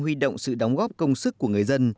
huy động sự đóng góp công sức của người dân